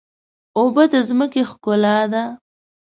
اوبه د ځمکې ښکلا ده.